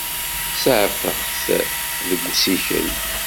Saɛfeɣ-t deg usikel.